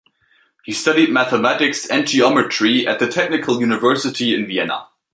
He studied mathematics and geometry at the Technical University in Vienna.